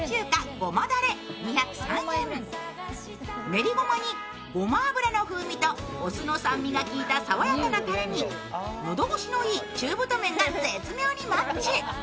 練りごまにごま油の風味とお酢の酸味がきいた爽やかなタレに喉越しのいい中太麺が絶妙にマッチ。